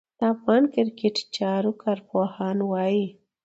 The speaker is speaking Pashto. د افغان کرېکټ چارو کارپوهان وايي